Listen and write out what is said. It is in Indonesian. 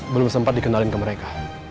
belum sempat dikenalin ke mereka